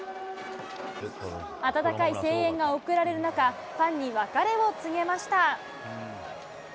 温かい声援が送られる中、ファンに別れを告げました。